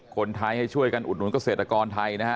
คนไทยให้ช่วยกันอุดหนุนเกษตรกรไทยนะฮะ